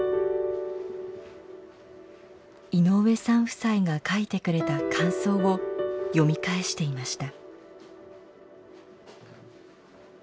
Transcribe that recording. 井上さん夫妻が書いてくれた感想を読み返していました。